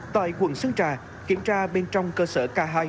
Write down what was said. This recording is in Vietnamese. tại quận sơn trà kiểm tra bên trong cơ sở k hai